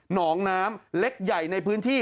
น้องน้ำเล็กใหญ่ในพื้นที่